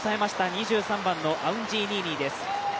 ２３番のアウンジンニィニィです。